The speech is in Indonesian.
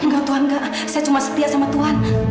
enggak tuan enggak saya cuma setia sama tuan